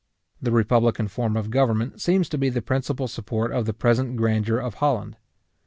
The republican form of government seems to be the principal support of the present grandeur of Holland.